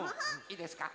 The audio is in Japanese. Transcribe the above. いいですか？